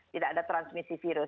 tidak ada transmisi virus